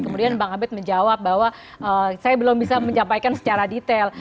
kemudian bang abed menjawab bahwa saya belum bisa menyampaikan secara detail